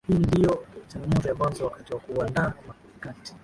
Hii ndio changamoto ya mwanzo wakati wa kuandaa mkakati